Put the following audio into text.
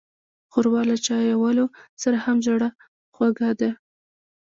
ښوروا له چايوالو سره هم زړهخوږې ده.